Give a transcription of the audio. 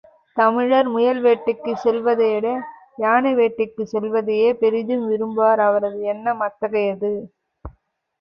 தமிழர் முயல் வேட்டைக்குச் செல்லுவதைவிட யானை வேட்டைக்குச் செல்லுவதையே பெரிதும் விரும்புவர் அவரது எண்ணம் அத்தகையது.